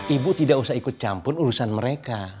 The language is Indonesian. ibu tidak usah ikut campur urusan mereka